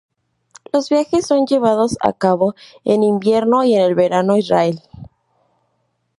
Los viajes son llevados a cabo en invierno y en el verano israelí.